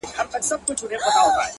o د چا خبرو ته به غوږ نه نيسو؛